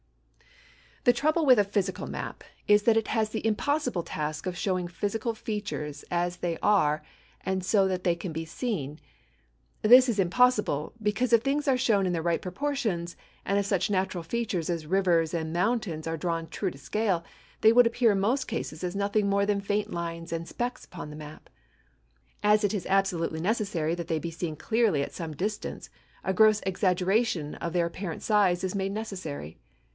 The trouble with a physical map is that it has the impossible task of showing physical features as they are and so that they can be seen. This is impossible, because if things are shown in their right proportions, and if such natural features as rivers and mountains were drawn true to scale they would appear in most cases as nothing more than faint lines and specks upon the map. As it is absolutely necessary that they be seen clearly at some distance, a gross exaggeration of their apparent size is made necessary.